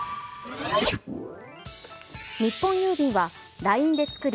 日本郵便はＬＩＮＥで作り